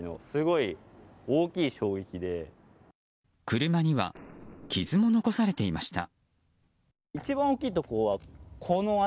車には傷が残されていました。